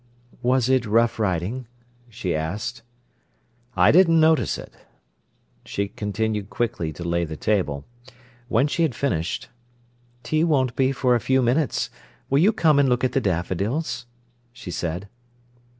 "Was it rough riding?" she asked. "I didn't notice it." She continued quickly to lay the table. When she had finished— "Tea won't be for a few minutes. Will you come and look at the daffodils?" she said.